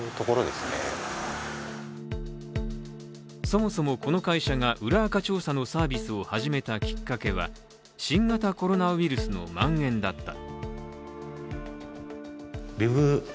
そもそも、この会社が裏アカ調査のサービスを始めたきっかけは、新型コロナウイルスのまん延だった。